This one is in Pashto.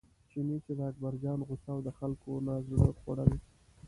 چیني چې د اکبرجان غوسه او د خلکو نه زړه خوړل.